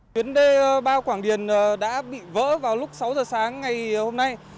chuyến đê ba quảng điền đã bị vỡ vào lúc sáu giờ sáng ngày hôm nay